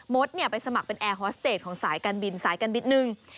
ไปสมัครเป็นแอร์ฮอสเตจของสายการบินสายการบินหนึ่ง